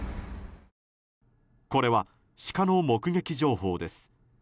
これはシカの目撃情報です。